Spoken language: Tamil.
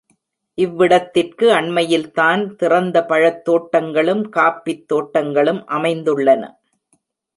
இவ்விடத்திற்கு அண்மையில்தான் சிறந்த பழத் தோட்டங்களும் காஃபித் தோட்டங்களும் அமைந்துள்ளன.